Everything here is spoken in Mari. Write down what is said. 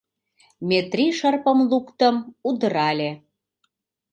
Метрий шырпым луктым удырале.